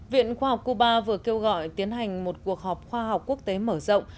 viện khoa học cuba vừa kêu gọi tiến hành một cuộc họp khoa học quốc tế mở rộng